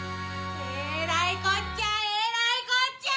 えらいこっちゃえらいこっちゃ！